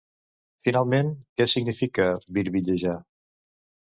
Finalment, què significa birbillejar?